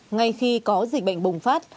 ngay khi có dịch bệnh bùng phát